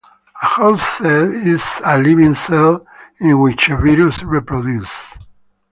A host cell is a living cell in which a virus reproduces.